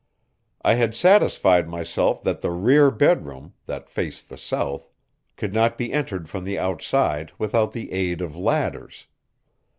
I had satisfied myself that the rear bedroom, that faced the south, could not be entered from the outside without the aid of ladders.